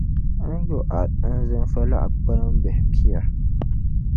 a ni yo anzinfa laɣ’ kpalambihi pia.